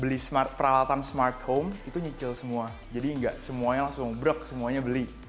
beli peralatan smart home itu nyicil semua jadi enggak semuanya langsung brek semuanya beli